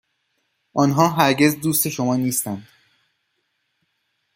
آنها هرگز دوست شما نیستند.